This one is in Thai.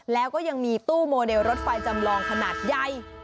แล้วก็ยังมีตู้โมเดลรถไฟจำลองขนาดใหญ่